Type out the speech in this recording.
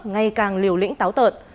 ngày càng liều lĩnh táo tợn